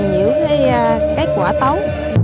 nhiều cái kết quả tốt